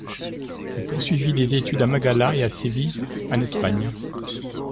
Il poursuivit des études à Malaga et à Séville, en Espagne.